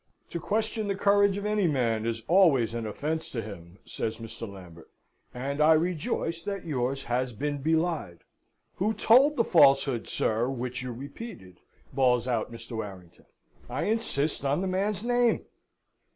"To question the courage of any man is always an offence to him," says Mr. Lambert, "and I rejoice that yours has been belied." "Who told the falsehood, sir, which you repeated?" bawls out Mr. Warrington. "I insist on the man's name!"